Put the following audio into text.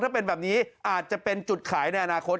ถ้าเป็นแบบนี้อาจจะเป็นจุดขายในอนาคต